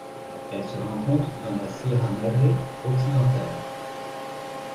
Elle se rencontre dans la Sierra Madre Occidentale.